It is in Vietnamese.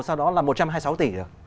sau đó là một trăm hai mươi sáu tỷ được